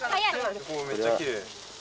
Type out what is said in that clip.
めっちゃきれい！